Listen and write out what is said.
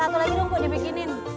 satu lagi dong kok dibikinin